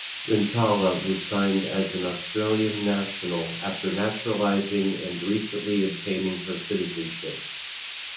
Rintala was signed as an Australian national after naturalizing and recently obtaining her citizenship.